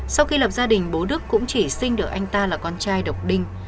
sau khi lập gia đình bố đức cũng chỉ sinh được anh ta là con trai độc đinh